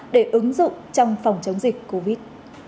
để ứng dụng trong phòng chống dịch covid